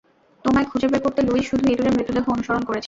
তোমায় খোঁজে বের করতে, লুইস, শুধু ইদুঁরের মৃতদেহ অনুসরণ করেছি।